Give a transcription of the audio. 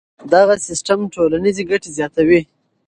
دغه سیستم ټولنیزې ګټې زیاتوي.